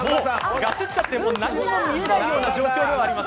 ガスっちゃって何も見えないような状況ではあります。